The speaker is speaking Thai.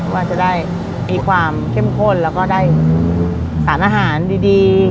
ว่าจะได้มีความเข้มข้นแล้วก็ได้สารอาหารดี